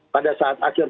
pada saat akhir